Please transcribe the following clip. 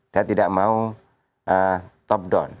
saya tidak mau top down